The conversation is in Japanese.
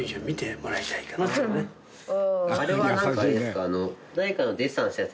あれはなんかあれですか？